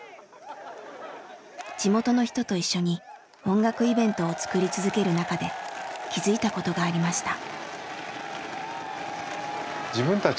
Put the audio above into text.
地元の人と一緒に音楽イベントをつくり続ける中で気付いたことがありました。